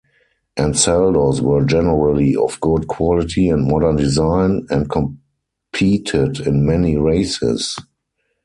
Ansaldos were generally of good quality and modern design, and competed in many races.